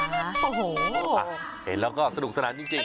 โอ้โหเห็นแล้วก็สนุกสนานจริง